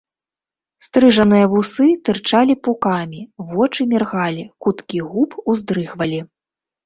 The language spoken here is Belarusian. Стрыжаныя вусы тырчалі пукамі, вочы міргалі, куткі губ уздрыгвалі.